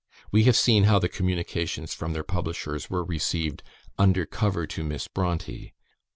We have seen how the communications from their publishers were received "under cover to Miss Brontë."